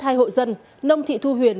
hai hộ dân nông thị thu huyền